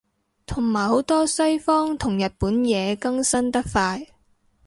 同埋好多西方同日本嘢更新得快